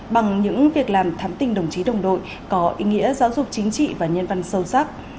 bằng những việc làm thắm tình đồng chí đồng đội có ý nghĩa giáo dục chính trị và nhân văn sâu sắc